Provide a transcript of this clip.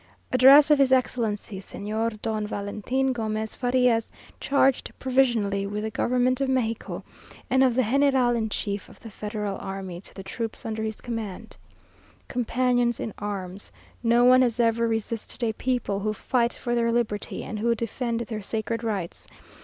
"_Address of His Excellency, Señor Don Valentin Gomez Farias, charged provisionally with the government of Mexico, and of the General in Chief of the Federal army, to the troops under his command_." "Companions in arms: No one has ever resisted a people who fight for their liberty and who defend their sacred rights.